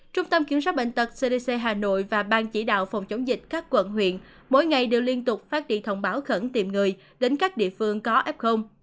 trung tâm kiểm soát bệnh tật cdc hà nội và ban chỉ đạo phòng chống dịch các quận huyện mỗi ngày đều liên tục phát đi thông báo khẩn tìm người đến các địa phương có f